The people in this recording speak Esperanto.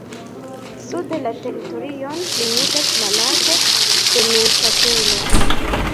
Sude la teritorion limigas la "Lago de Neŭŝatelo".